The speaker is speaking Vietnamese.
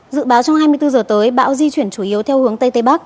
dự báo trong hai mươi bốn giờ tới bão di chuyển chủ yếu theo hướng tây tây bắc